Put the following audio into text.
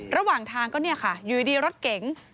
ระหว่างทางก็เนี่ยค่ะอยู่ดีรถเก๋ง